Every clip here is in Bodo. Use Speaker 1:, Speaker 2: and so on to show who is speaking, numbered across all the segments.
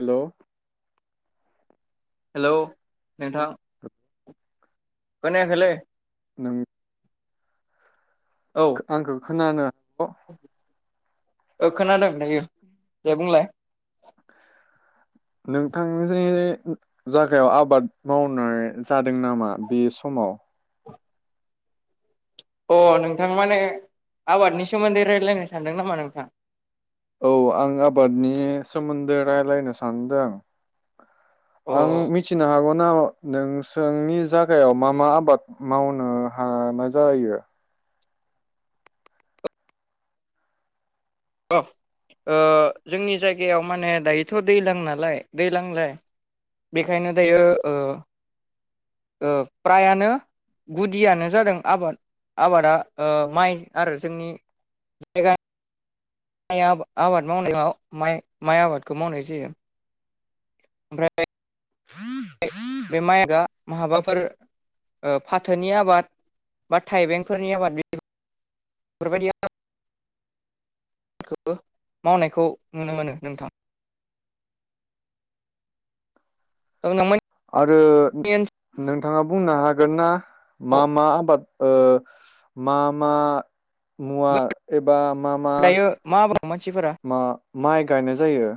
Speaker 1: हेलौ
Speaker 2: हेल' नोंथां खोनायाखैलै
Speaker 1: नों
Speaker 2: औ
Speaker 1: आंखौ खोनादों अ
Speaker 2: ओ खोनादों दायो दे बुंलाय
Speaker 1: नोंथांनि जागायाव आबाद मावनाय जादों नामा बे समाव
Speaker 2: अ नोंथां माने आबादनि सोमोन्दै रायलायनो सानदों नामा नोंथां
Speaker 1: औ आं आबादनि सोमोन्दै रायलायनो सानदों
Speaker 2: अ
Speaker 1: आं मिथिनो हागोन ना नोंसोरनि जायगायाव मा मा आबाद मावनो हानाय जायो
Speaker 2: ओ जोंनि जायगायाव माने दायोथ' दैलां नालाय दैलांलाय बेखायनो दायो फ्रायानो गुदियानो जादों आबाद आबादा माइ आरो जोंनि जायगानि माइ आ आबाद मावनायाव माइ आबादखौ मावनाय जायो ओमफ्राय बे माइकआ माहाबाफोर फाथोनि आबाद बा थाइबेंफोरनि आबाद फोरबादि खौबो मावनायखौ नुनो मोनो नोंथां [unintelligible]
Speaker 1: आरो
Speaker 2: ओनसोलाव
Speaker 1: नों थाङा बुंनो हागोन ना मामा आबाद मा मा मुवा बा मा मा
Speaker 2: दायो मा बुङो मानसिफोरा
Speaker 1: माइ गायनायजों जायो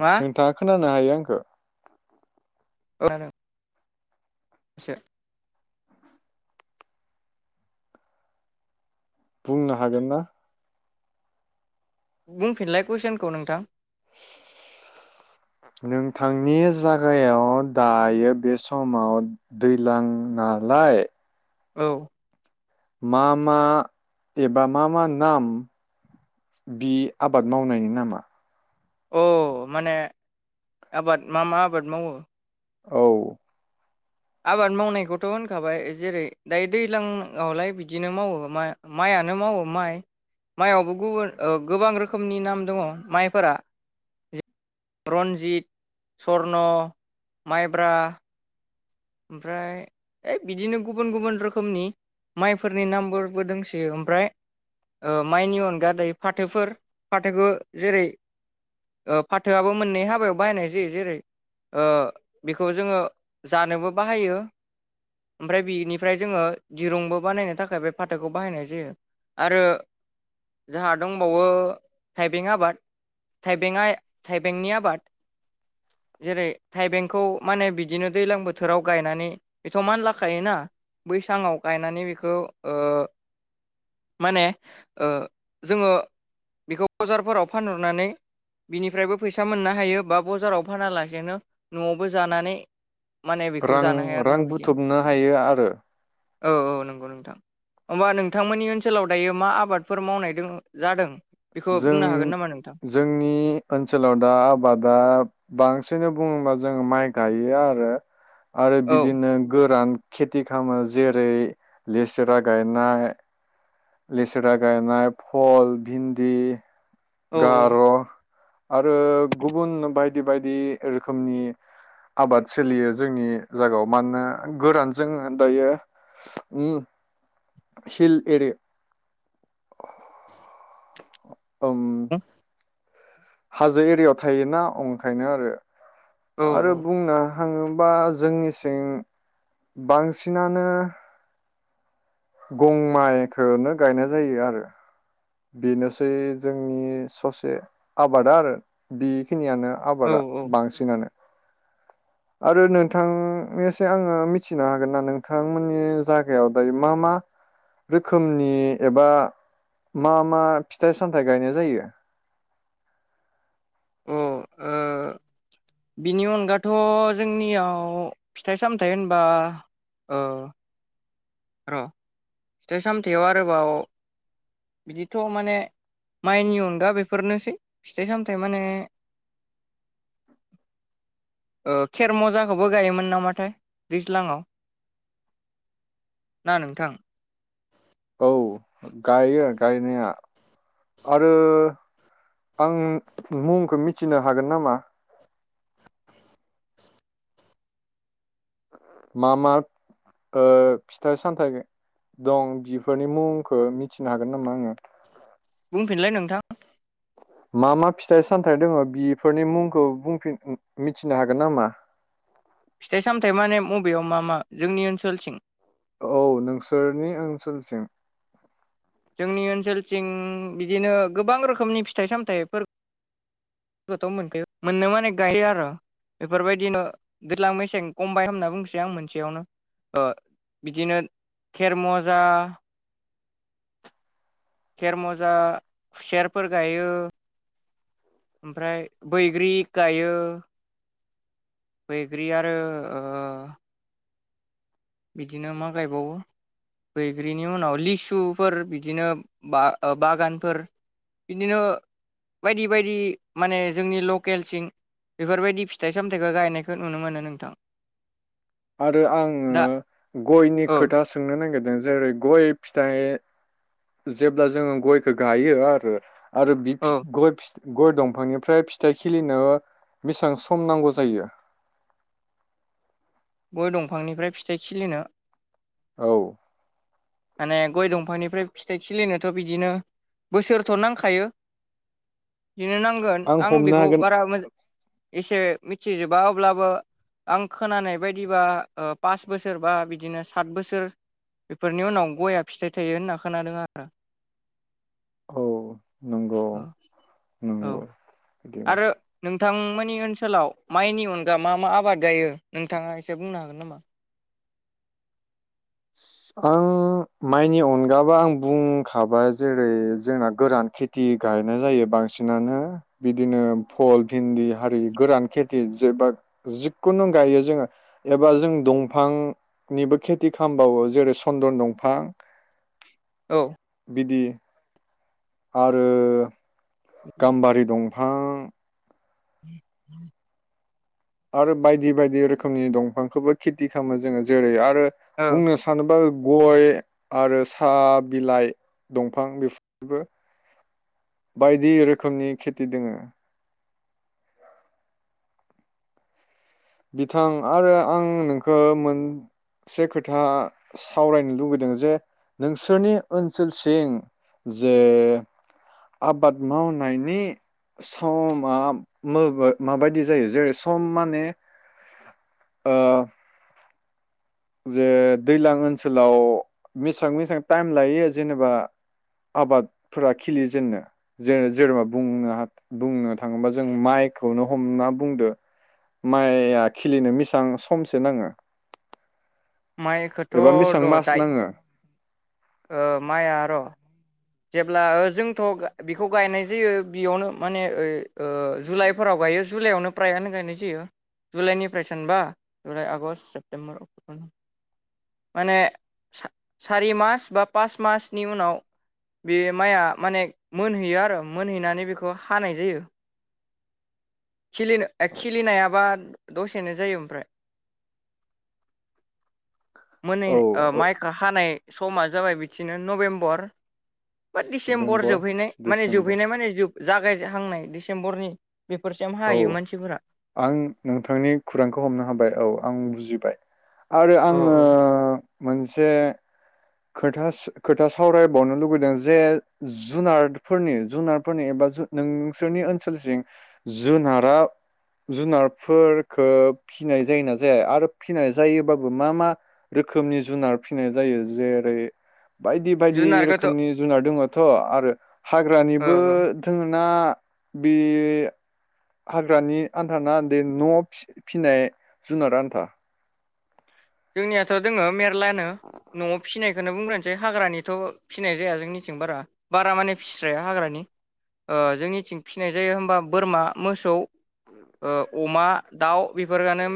Speaker 2: मा
Speaker 1: नोंथाङा खोनानो हायो [unintelligible]
Speaker 2: [unintelligible] एसे
Speaker 1: बुंनो हागोन ना?
Speaker 2: बुंफिनलाय कुइसनखौ नोंथां
Speaker 1: नोंथांनि जागायाव दायो बे समाव दैज्लां नालाय
Speaker 2: औ
Speaker 1: मा मा एबा मा मा नाम बि आबाद मावनायनि नामा?
Speaker 2: अ माने आबाद मा मा आबाद मावो ।
Speaker 1: औ
Speaker 2: आबाद मावनायखौथ' होनखाबाय जेरै दायो दैज्लांआवलाय बिदिनो मावो मा माइयानो मावो माइ माइयावबो गुबुन ओ गोबां रोखोमनि नाम दङ माइफोरा । रन्जित सर्न' माइब्रा ओमफ्राय बिदिनो गुबुन गुबुन रोखोमनि माइफोरनि नामफोरबो दंसै ओमफ्राय ओ माइनि अनगा दायो फाथोफोर फाथोखौ जेरै फाथोआबो मोननै हाबायाव बाहायनाय जायो जेरै बेखौ जोङो जानोबो बाहायो ओमफ्राय बिनिफ्राय जोङो दिरुंबो बानायनो थाखाय बे फाथोखौ बाहायनाय जायो आरो जोंहा दंबावो थाइबें आबाद थाइबें थाइबेंनि आबाद जेरै थाइबेंखौ माने बिदिनो दैज्लां बोथोराव बोथोराव गायनानै बेथ' मानलाखायोना बैसाङाव गायनानै बेखौ ओ माने जोङो बेखौ बजारफोराव फानहरनानै बिनिफ्रायबो फैसा मोननो हायो बा बजाराव फानालासेनो न'आवबो जानानै माने बेखौ
Speaker 1: रां
Speaker 2: जानो हाया आरोना
Speaker 1: रां
Speaker 2: बिदिनो
Speaker 1: बुथुमनो हायो आरो
Speaker 2: औ औ नंगौ नोंथां होमबा नोंथांमोननि ओनसोलाव दायो मा आबादफोर मावनाय दं जादों? बेखौ
Speaker 1: जों
Speaker 2: बुंनो हागोन नामा नोंथां
Speaker 1: जोंनि ओनसोलाव दा आबादा बांसिन बुङोबा जोङो माइ गायो आरो आरो
Speaker 2: औ
Speaker 1: बिदिनो गोरान खेथि खालामो जेरै लेसरा गायनाय लेसेरा गायनाय भल, भिन्दि
Speaker 2: औ
Speaker 1: गार' आरो गुबुन बायदि बायदि रोखोमनि आबाद सोलियो जोंनि जागाव मानोना गोरान जों दायो हिल एरि औ हाजो एरियायाव थायोना अंखायनो आरो
Speaker 2: औ
Speaker 1: आरो बुंना थाङोबा जोंनिसिं बांसिनानो गं माइखोनो गायनाय जायो आरो बेनोसै जोंनि ससे आबादा आरो बिखिनियानो
Speaker 2: औ
Speaker 1: आबादा
Speaker 2: अ
Speaker 1: बांसिनानो आरो नोंथांनिसे आङो मिथिनो हागोन ना नोंथांमोननि जायागायाव दायो मा मा रोखोमनि एबा मा मा फिथाइ सामथाइ गायनाय जायो ।
Speaker 2: अ ओ बिनि अनगाथ' जोंनियाव फिथाइ-सामथाइ होनबा ओ र' फिथाय सामथायाव आरोबाव बिदिथ' माने माइनि अनगा बेफोरनोसै फिथाइ सामथाइ माने ओ खेरमजाखौबो गायोमोन नामाथाय दैज्लाङाव ना नोंथां?
Speaker 1: औ गायो गायनाया आरो आं मुंखौ मिथिनो हागोन नामा? मा मा ओ फिथाइ सामथाइ दं बिफोरनि मुंखौ मिथिनो हागोन नामा आङो?
Speaker 2: बुंफिनलाय नोंथां
Speaker 1: मा मा फिथाइ सामथाइ दोङो बेफोरनि मुंखौ बुंफिन मिथिनो हागोन नामा?
Speaker 2: फिथाइ सामथायाइ माने मबेयाव मा मा जोंनि ओनसोलथिं
Speaker 1: औ नोंसोरनि ओनसोलसिं
Speaker 2: जोंनि ओनसोलथिं बिदिनो गोबां रोखोमनि फिथाइ सामथाइफोर खौथ' मोनखायो मोननो माने गायो आरो बेफोरबायदिनो दैज्लां मेसें खमबाइन खालामना बुंसै आं मोनसेयावनो ओ बिदिनो खेर मुवाजा खेर मजा खुसेरफोर गायो ओमफ्राय बैग्रि गायो बैग्रि आरो ओ बिदिनो मा गायबावो बैग्रिनि उनाव लिसुफोर बिदिनो बा ओ बागानफोर बिदिनो बायदि बायदि माने जोंनि लकेल सिं बेफोरबायदि फिथाइ सामथायाइखौ गायनायखौ नुनो मोनो नोंथां ।
Speaker 1: आरो आङो गयनि
Speaker 2: औ
Speaker 1: खोथा सोंनो नागिर दों जेरै गय फिथाइ जेब्ला जोङो गयखो गायो आरो आरो बि
Speaker 2: औ
Speaker 1: फि गय फि गय दंफांनिफ्राय फिथाइ खिलिनो बेसेबां सम नांगौ जायो
Speaker 2: गय दंफांनिफ्राय फिथाइ खिलिनो
Speaker 1: औ
Speaker 2: माने गय दंफांनिफ्राय फिथाइ खिलिनोथ' बिदिनो बोसोरथ' नांखायो बिनो नांगोन आं
Speaker 1: हमनो
Speaker 2: बेखौ
Speaker 1: हागोन
Speaker 2: बारा मोज एसे मिथिजोबा अब्लाबो आं खोनानाय बायदिबा पास बोसोर बा बिदिनो सात बोसोर बेफोर बेनि उनाव गया फिथाइ थायो होनना खोनादों आरो
Speaker 1: औ नंगौ
Speaker 2: अ औ
Speaker 1: नंगौ [unintelligible]
Speaker 2: नोंथां मोनि ओनसोलाव माइनि अनगा मा मा आबाद गायो नोंथाङा एसे बुंनो हागोन नामा
Speaker 1: आं माइनि अनगाबा आं बुंखाबाय जेरै जोंना गोरान खेथि गायनाय जायो बांसिनानो बिदिनो फल भिन्दि हारि गोरान खेथि जेबा जिखुनु गायो जोङो एबा जों दंफांनिबो खेथि खामबावो जेरै सन्दन दंफां
Speaker 2: औ
Speaker 1: बिदि आरो गाम्बारि दं फां
Speaker 2: [inaudible]
Speaker 1: आरो बायदि बायदि रोखोमनि दंफांखौबो खेथि खालामो जोङो जेरै आरो
Speaker 2: औ
Speaker 1: बुंनो सानोबा गय आरो साहा बिलाइ दंफां बेफोरबो बायदि रोखोमनि खेथि दोङो बिथां आरो आं नोंखो मोनसे खोथा सावरायनो लुबैदों जे नोंसोरनि ओनसोलसिं जे आबाद मावनायनि समा मा माबायदि जायो जेरै सम माने ओ जे दैलां ओनसोलाव बेेसेबां बेसेबां टाइम लायो जेनेबा आबादफोरा खिलिजेननो जे जेनेबा बुंनो बुंनो थाङोबा जों माइखौनो हमना बुंदो माइआ खिलिनो बेसेबां समसो नाङो
Speaker 2: माइखौथ'
Speaker 1: एबा बेसेबां
Speaker 2: र'
Speaker 1: मास
Speaker 2: दाय
Speaker 1: नाङो
Speaker 2: ओ माइआ र' जेब्ला जोंथ' बेखौ गायनाय जायो बेयावनो माने ओ ओ जुलाइफोराव गायो जुलाइआवनो फ्रायानो गायनाय जायो जुलाइनिफ्राय सानबा जुलाइ आगषट सेप्तेम्बर अक्ट'बरनि माने सारि मास बा पास मासनि उनाव बे माइआ माने मोनहैयो आरो मोनहैनानै बेखौ हानाय जायो खिलिनो खिलिनायाबा दसेनो जायो ओमफ्राय मोनै
Speaker 1: औ
Speaker 2: ओ माइखौ हानाय समा जाबाय बिदिनो नभेम्बर बा डिसेम्बर
Speaker 1: नभेम्बर
Speaker 2: जोब हैनाय माने
Speaker 1: डिसेम्बर
Speaker 2: जोबैनाय माने जोब जागाय हांनाय दिसेम्बरनि
Speaker 1: औ आं नोंथांनि खुरांखौ हमनो हाबाय औ आं बुजि बाय आरो
Speaker 2: औ
Speaker 1: आङो
Speaker 2: औ
Speaker 1: मोनसे खोथा खोथा सावरायबावनो लुुबैदों जे जुनारफोरनि जुनारफोरनि एबा नोंसोरनि ओनसोलसिम जुनारा जुनारफोरफोरखौ फिनाय जायोना जाया आरो फिनाय जायोबाबो मा मा रोखोमनि जुनार फिनाय जायो जे फ्राय बायदि बायदि
Speaker 2: जुनारखौथ'
Speaker 1: रोखोमनि जुनार दङ थ' आरो
Speaker 2: ओ
Speaker 1: हाग्रानिबो जों ना बे हाग्रानि आन्था ना दे न' फिनाय जुनार आन्था
Speaker 2: दोंनायाथ' दोङो मेरलानो न'आव फिसिनायखौनो बुंग्रोनोसै हाग्रानिथ' फिसिनाय जाया जोंनिथिं बारा बारा माने फिस्राया हाग्रानि ओ जोंनिथिं फिसिनाय जायो हबा बोरमा मोसौ औ अमा दाउ बेफोरानो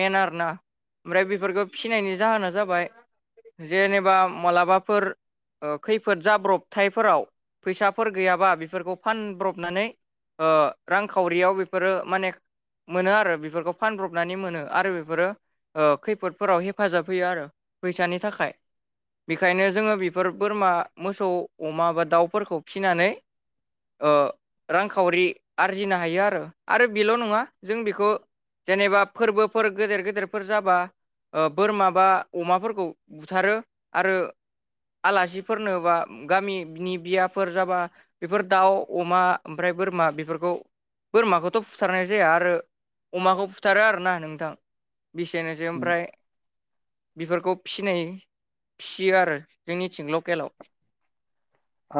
Speaker 2: मेन आरोना ओमफ्राय बे बेफोरखौ फिनायनि जाहोना जाबाय जेनेबा मालाबाफोर खैफोद ओ जाब्रबथायफोराव फैसाफोर गैयाबा बेफोरखौ फानब्रबनानै ओ रांखावरियाव बेफोरो माने मोनो आरो बेफोरखौ फानब्रबनानै मोनो आरो बेफोरो ओ खैफोद फोराव हेफाजाब होयो आरो फैसानि थाखाय बेखायनो जोङो बेफोर बोरमा मोसौ अमा बा दाउफोरखौ फिनानै ओ रांखावरि आरजिनो हायो आरो आरो बेल' नङा जों बेखौ जेनेबा फोरबोफोर गेदेर गेदेरफोर जाबा ओ बोरमा बा अमाफोरखौ बुथारो आरो आलासिफोरनो बा गामिनि बियाफोर जाबा बेफोर दाउ अमा ओमफ्राय बोरमा बेफोरखौ बोरमाखौथ' फुथारनाय जाया आरो अमाखौ फुथारो आरोना नोंथां बेसेनोसै ओमफ्राय बेफोरखौ फिनाय फियो आरो जोंनिथिं लकेलाव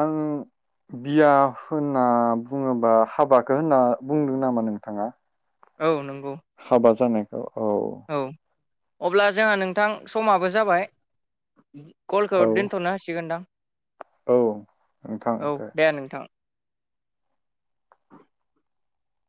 Speaker 1: आं बिया होनना बुङोबा हाबाखौ होनना बुंदों नामा नोंथाङा
Speaker 2: औ नों
Speaker 1: हाबा जानाय
Speaker 2: औ अब्ला जोंहा नोंथां समाबो जाबाय कलखौ
Speaker 1: औ
Speaker 2: दोनथ'नो हासिगोनदां
Speaker 1: औ
Speaker 2: औ दे नोंथां